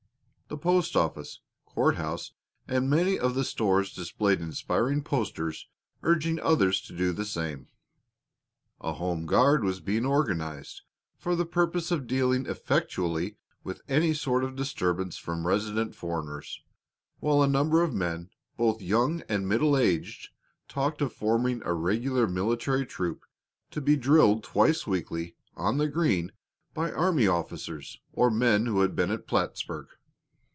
The post office, courthouse, and many of the stores displayed inspiring posters urging others to do the same. A home guard was being organized for the purpose of dealing effectually with any sort of disturbance from resident foreigners, while a number of men, both young and middle aged, talked of forming a regular military troop to be drilled twice weekly on the green by army officers or men who had been at Plattsburg.